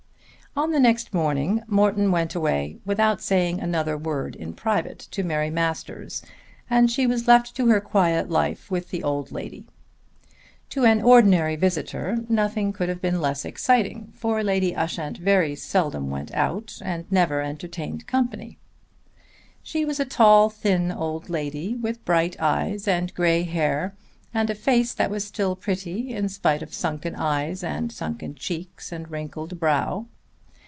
On the next morning Morton went away without saying another word in private to Mary Masters and she was left to her quiet life with the old lady. To an ordinary visitor nothing could have been less exciting, for Lady Ushant very seldom went out and never entertained company. She was a tall thin old lady with bright eyes and grey hair and a face that was still pretty in spite of sunken eyes and sunken cheeks and wrinkled brow.